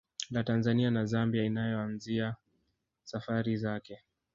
La Tanzania na Zambia inayoanzia safari zake